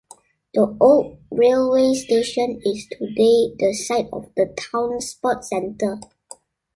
The old railway station is today the site of the town's sports centre.